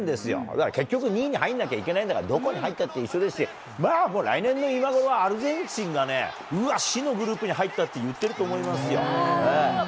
だから結局、２位に入らなきゃいけないんだから、どこに入ったって一緒ですし、まあ来年の今ごろはアルゼンチンがうわっ、死のグループに入ったって言ってると思いますよ。